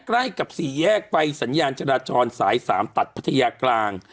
ใกล้กับสี่แยกไฟสัญญาณจราจรสาย๓ตัดพัทยากลาง